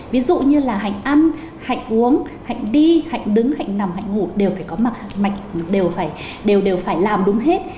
ví dụ như là hạnh ăn hạnh uống hạnh đi hạnh đứng hạnh nằm hạnh ngủ đều phải có mặt đều đều phải làm đúng hết